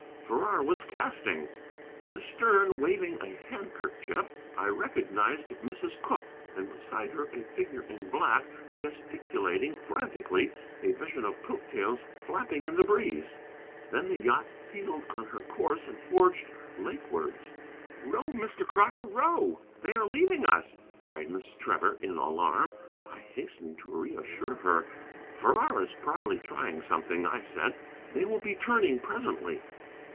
Farrar was casting. In the stern, waving a handkerchief, I recognized Mrs. Cooke, and beside her a figure in black, gesticulating frantically, a vision of coat tails flapping in the breeze. Then the yacht heeled on her course and forged lakewards. "Row, Mr. Crocker, row! they are leaving us!" cried Miss Trevor, in alarm. I hastened to reassure her. "Farrar is probably trying something," I said. "They will be turning presently."